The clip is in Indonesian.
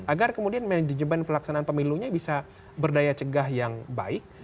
agar kemudian manajemen pelaksanaan pemilunya bisa berdaya cegah yang baik